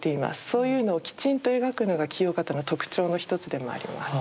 そういうのをきちんと描くのが清方の特徴の一つでもあります。